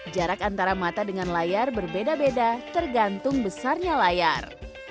jarak antara mata dengan layar berbeda beda tergantung besarnya layar